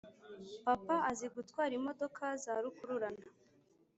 Papa azi gutwara imodoka z ‘ arukururana